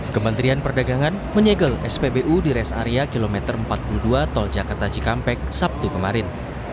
kementerian perdagangan menyegel spbu di res area kilometer empat puluh dua tol jakarta cikampek sabtu kemarin